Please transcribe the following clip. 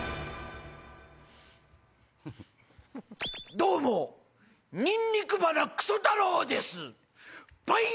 どうもニンニク鼻クソ太郎です。